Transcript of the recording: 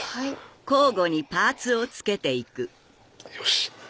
よし！